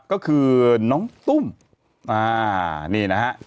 ก็คือน้องตุ้มนี่นะฮะ